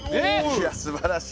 いやすばらしい。